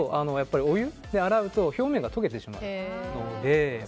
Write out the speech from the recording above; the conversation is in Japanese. お湯で洗うと表面が溶けてしまうので。